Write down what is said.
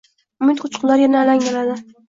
umid uchqunlari yana alangalanadi.